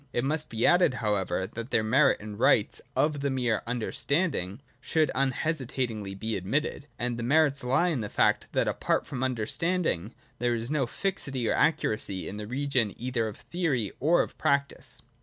It must be added however, that the merit and rights of the mere Understanding should unhestitatingly be admitted. And that merit lies in the fact, that apart from Understanding there is no fixity or accuracy in the region either of theory or of practice.